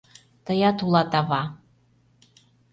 Тыят улат ава.